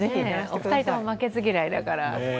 お二人とも負けず嫌いですから。